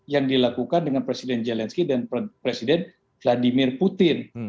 yang dilakukan dengan presiden zelensky dan presiden vladimir putin